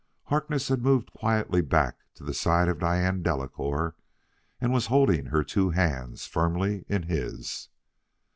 Harkness had moved quietly back to the side of Diane Delacouer and was holding her two hands firmly in his.